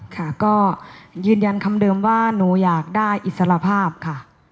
ค่ะก็ยืนยันคำเดิมว่าหนูอยากได้อิสรภาพค่ะ